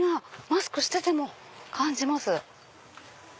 マスクしてても感じます。